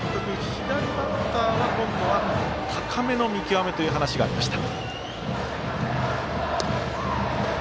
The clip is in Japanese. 左バッターは今度は高めの見極めという話がありました。